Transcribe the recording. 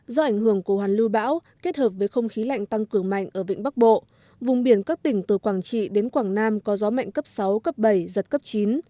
do ảnh hưởng của hoàn lưu bão kết hợp với không khí lạnh tăng cường mạnh ở vịnh bắc bộ vùng biển các tỉnh từ quảng trị đến quảng nam có gió mạnh cấp sáu cấp bảy giật cấp chín